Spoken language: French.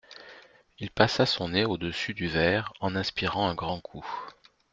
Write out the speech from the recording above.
Il passa son nez au-dessus du verre en inspirant un grand coup